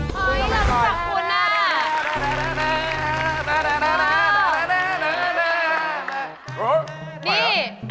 หลักทุกของครูน่ะ